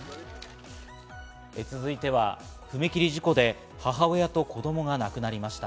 続いては、踏切事故で母親と子供が亡くなりました。